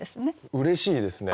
うれしいですね。